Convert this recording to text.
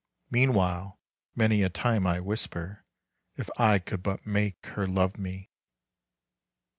Meanwhile many a time I whisper: "If I could but make her love me!"